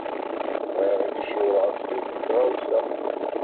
Bɣiɣ ad k-ciwṛeɣ ɣef yiwet n tɣawsa.